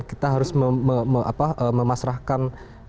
kita harus memasrahkan